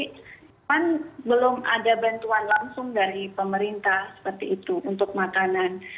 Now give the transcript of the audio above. kan belum ada bantuan langsung dari pemerintah seperti itu untuk makanan